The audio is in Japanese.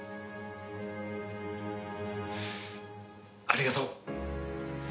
ありがとう。